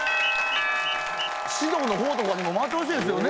指導の方とかにも回ってほしいですよね